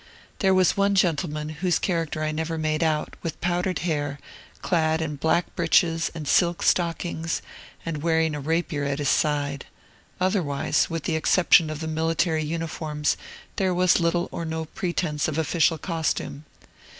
There was one old gentleman, whose character I never made out, with powdered hair, clad in black breeches and silk stockings, and wearing a rapier at his side; otherwise, with the exception of the military uniforms, there was little or no pretence of official costume.